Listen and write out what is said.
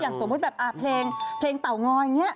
อย่างสมมุติแบบเพลงเพลงเต๋างอยนี้